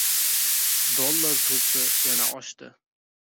Dollar kursi yana oshdi.